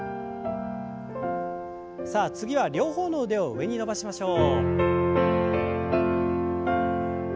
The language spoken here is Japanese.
さあ次は両方の腕を上に伸ばしましょう。